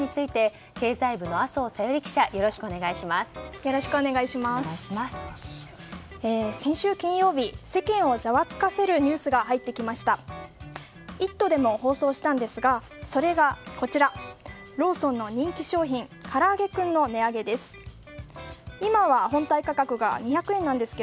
「イット！」でも放送したんですがそれが、ローソンの人気商品からあげクンの値上げです。